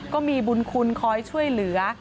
ก็มีบุญคุณคอยช่วยเหลือ